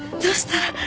どうしたら。